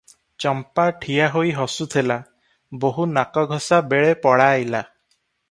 ଚମ୍ପା ଠିଆ ହୋଇ ହସୁଥିଲା, ବୋହୂ ନାକଘଷା ବେଳେ ପଳାଇଲା ।